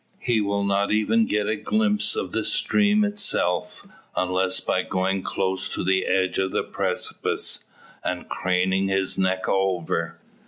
He will not even get a glimpse of the stream itself; unless by going close to the edge of the precipice, and craning his neck over.